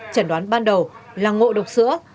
trần đoán ban đầu là ngộ độc sữa